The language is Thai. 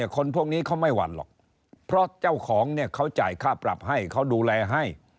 คนพวกนี้เขาไม่หวั่นหรอกเพราะเจ้าของเนี่ยเขาจ่ายค่าปรับให้เขาดูแลให้